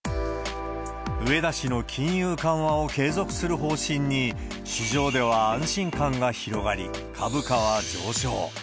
植田氏の金融緩和を継続する方針に、市場では安心感が広がり、株価は上昇。